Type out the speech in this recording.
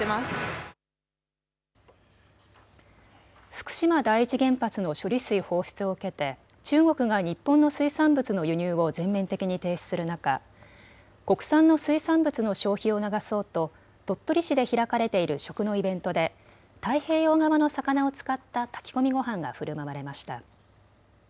福島第一原発の処理水放出を受けて中国が日本の水産物の輸入を全面的に停止する中、国産の水産物の消費を促そうと鳥取市で開かれている食のイベントで太平洋側の魚を使った炊き込みごはんがふるまわれました。